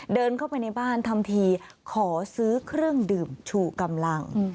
เดินเข้าไปในบ้านทำทีขอซื้อเครื่องดื่มชูกำลัง